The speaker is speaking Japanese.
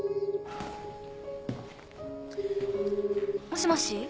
もしもし？